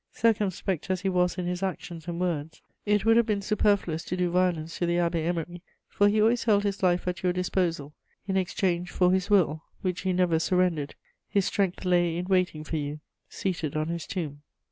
Circumspect as he was in his actions and words, it would have been superfluous to do violence to the Abbé Émery, for he always held his life at your disposal, in exchange for his will, which he never surrendered: his strength lay in waiting for you, seated on his tomb.